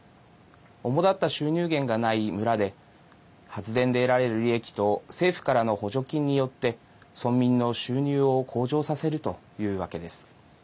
主だった収入源がない村で発電で得られる利益と政府からの補助金によって村民の収入を向上させるというわけです。